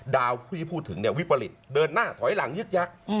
ที่พูดถึงวิปริตเดินหน้าถอยหลังยึดยักษ์